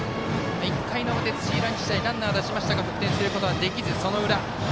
１回の表、土浦日大ランナー出しましたが得点することができずその裏。